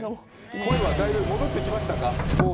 声はだいぶ戻ってきましたか？